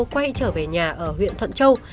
quay trở về nhà ở huyện thận châu